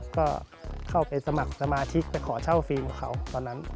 ก็เข้าไปสมัครสมาชิกไปขอเช่าฟิล์มเขาตอนนั้น